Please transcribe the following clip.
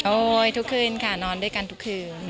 ทุกคืนค่ะนอนด้วยกันทุกคืน